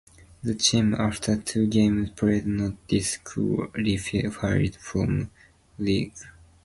The team after two games played not disqualified from league.